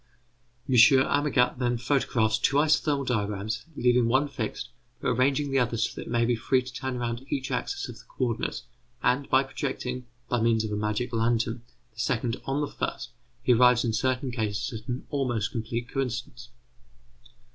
M. Amagat then photographs two isothermal diagrams, leaving one fixed, but arranging the other so that it may be free to turn round each axis of the co ordinates; and by projecting, by means of a magic lantern, the second on the first, he arrives in certain cases at an almost complete coincidence.